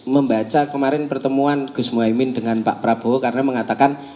membaca kemarin pertemuan gus muhaymin dengan pak prabowo karena mengatakan